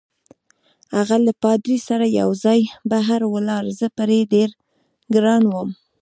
هغه له پادري سره یوځای بهر ولاړ، زه پرې ډېر ګران وم.